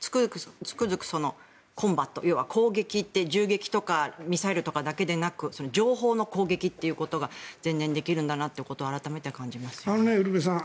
つくづくコンバット、攻撃って銃撃とかミサイルとかだけでなく情報の攻撃ということが全然できるんだなってことがウルヴェさん